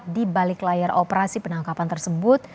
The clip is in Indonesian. di balik layar operasi penangkapan tersebut